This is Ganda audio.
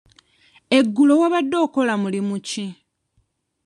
Eggulo wabadde okola mulimu ki?